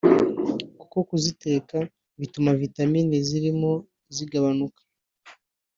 kuko kuziteka bituma vitamine zirimo zigabanuka